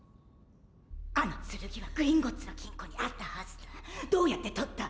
あの剣はグリンゴッツの金庫にあったはずだどうやってとった？